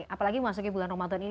apalagi masuknya bulan ramadan ini